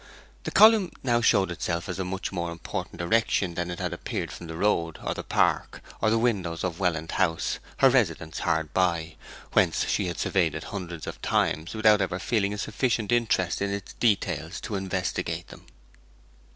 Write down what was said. The column now showed itself as a much more important erection than it had appeared from the road, or the park, or the windows of Welland House, her residence hard by, whence she had surveyed it hundreds of times without ever feeling a sufficient interest in its details to investigate them.